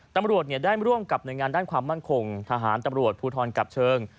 ตำรวจได้ร่วมกับหน่วยงานด้านความมั่นคงทหารตำรวจภูทรกับเชิง